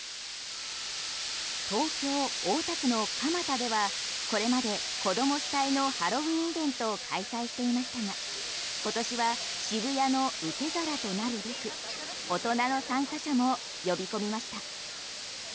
東京・大田区の蒲田ではこれまで子供主体のハロウィンイベントを開催していましたが今年は渋谷の受け皿となるべく大人の参加者も呼び込みました。